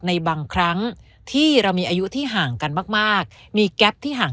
ในบางครั้งที่เรามีอายุที่ห่างกันมากมากมีแก๊ปที่ห่าง